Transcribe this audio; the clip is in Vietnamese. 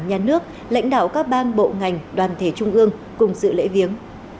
nhà nước lãnh đạo các bang bộ ngành đoàn thể trung ương cùng sự lễ viếng